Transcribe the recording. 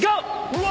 うわ！